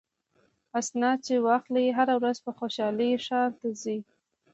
اسناد چې واخلي هره ورځ په خوشحالۍ ښار ته ځي.